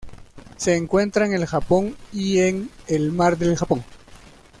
Se encuentra en el Japón y en el Mar del Japón.